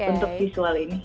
jadi saya bisa di visual ini